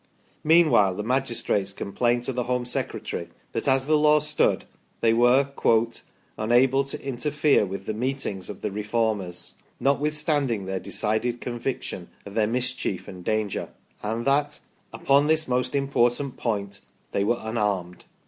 Meanwhile the magistrates complained to the Home Secretary that as the law stood they were " unable to interfere with the meetings of the Reformers, notwithstanding their decided conviction of their mischief and danger," and that " upon this most important point they were unarmed